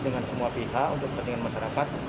dengan semua pihak untuk kepentingan masyarakat